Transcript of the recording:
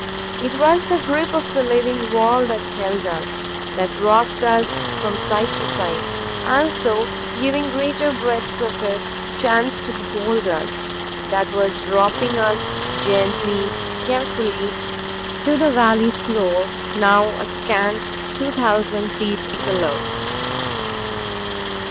It was the grip of the living wall that held us; that rocked us from side to side as though giving greater breadths of it chance to behold us; that was dropping us gently, carefully, to the valley floor now a scant two thousand feet below.